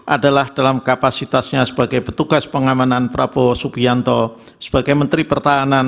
adalah dalam kapasitasnya sebagai petugas pengamanan prabowo subianto sebagai menteri pertahanan